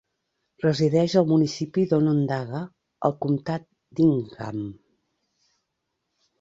Resideix al municipi d'Onondaga, al comtat d'Ingham.